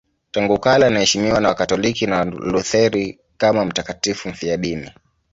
Tangu kale anaheshimiwa na Wakatoliki na Walutheri kama mtakatifu mfiadini.